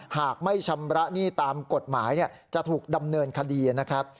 หากไม่ชำระหนี้ตามกฎหมายจะถูกดำเนินคดีนะครับ